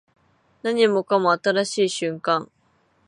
何もかも新しい瞬間